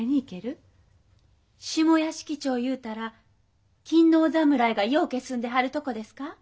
下屋敷町いうたら勤皇侍がようけ住んではるとこですか？